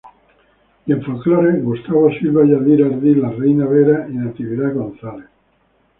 Y en Folklore: Gustavo Silva, Yadira Ardila, Reyna Vera y Natividad González.